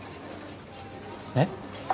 えっ？